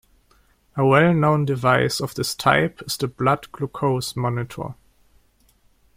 A well-known device of this type is the blood glucose monitor.